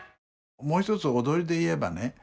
もう一つ踊りで言えばね